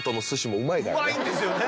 うまいんですよね！